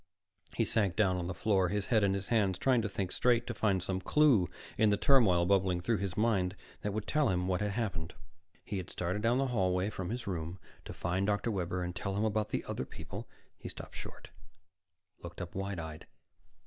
He sank down on the floor, his head in his hands, trying to think straight, to find some clue in the turmoil bubbling through his mind that would tell him what had happened. He had started down the hallway from his room, to find Dr. Webber and tell him about the other people He stopped short, looked up wide eyed.